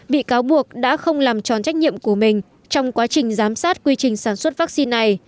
bị cáo buộc đã không làm tròn trách nhiệm của mình trong quá trình giám sát quy trình sản xuất vaccine này